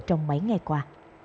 trong mấy ngày qua